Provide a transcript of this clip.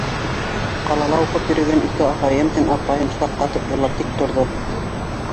Ҡалала уҡып йөрөгән ике ағайым һәм апайым шаҡ ҡатып илап тик торҙо.